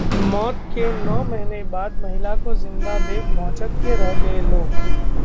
'मौत' के नौ महीने बाद महिला को जिंदा देख भौंचक्के रह गए लोग!